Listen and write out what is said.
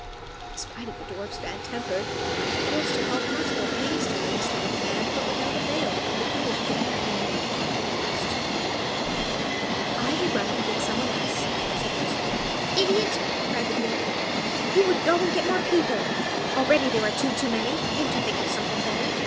In spite of the dwarf's bad temper, the girls took all possible pains to release the little man, but without avail; the beard could not be moved, it was wedged too tightly. "I will run and get someone else," said Rose Red. "Idiot!" cried the dwarf. "Who would go and get more people? Already there are two too many. Can't you think of something better?"